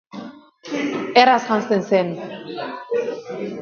Erraz janzten zen.